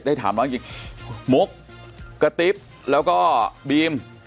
ได้ถามแล้วอีกมุกกระติ๊บแล้วก็บีม